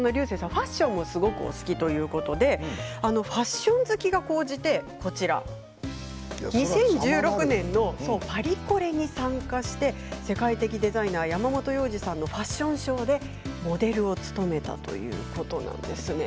ファッションもすごくお好きということでファッション好きが高じて２０１６年のパリコレに参加して世界的デザイナー山本耀司さんのファッションショーでモデルを務めたということなんですね。